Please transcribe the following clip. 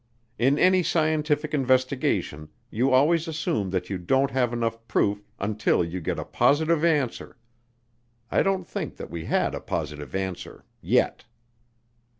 In any scientific investigation you always assume that you don't have enough proof until you get a positive answer. I don't think that we had a positive answer yet.